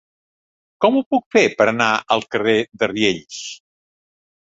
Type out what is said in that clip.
Com ho puc fer per anar al carrer de Riells?